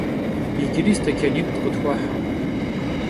Yicıri steçanit' khıtxueh!